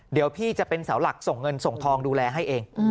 เดี๋ยวพี่จะเป็นเสาหลักส่งเงินส่งทองดูแลให้เอง